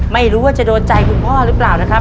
ไม่รู้ว่าจะโดนใจคุณพ่อหรือเปล่านะครับ